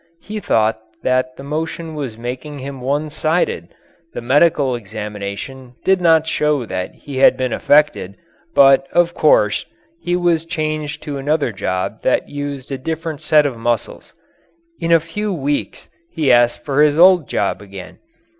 He thought that the motion was making him one sided; the medical examination did not show that he had been affected but, of course, he was changed to another job that used a different set of muscles. In a few weeks he asked for his old job again.